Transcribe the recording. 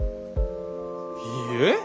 いいえ！